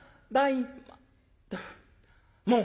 もう！